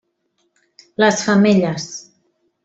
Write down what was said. Les femelles: